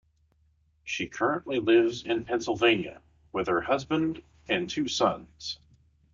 She currently lives in Pennsylvania with her husband and two sons.